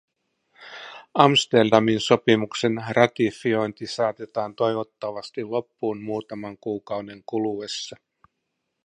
Amsterdamin sopimuksen ratifiointi saatetaan toivottavasti loppuun muutaman kuukauden kuluessa.